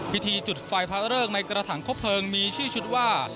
พิธีจุดไฟพระเริกในกระถังคบเพลิงมีชื่อชุดว่า